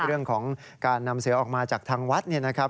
เรื่องของการนำเสือออกมาจากทางวัดเนี่ยนะครับ